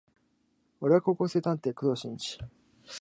俺は高校生探偵工藤新一